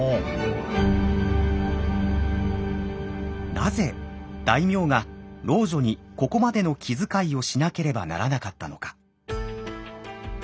なぜ大名が老女にここまでの気遣いをしなければならなかったのか。